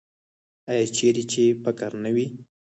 آیا چیرې چې فقر نه وي؟